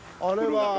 あれは。